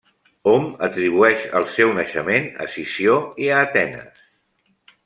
Hom atribueix el seu naixement a Sició i a Atenes.